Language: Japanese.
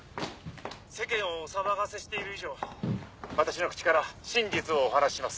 世間をお騒がせしている以上私の口から真実をお話しします。